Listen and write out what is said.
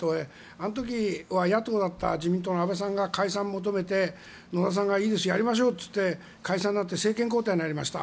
あの時は野党だった自民党の安倍さんが解散を求めて野田さんが、いいですやりましょうといって解散になって政権交代になりました。